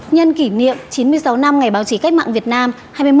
nhân kỷ niệm chín mươi sáu năm ngày báo chí cách mạng việt nam